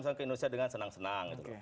langsung ke indonesia dengan senang senang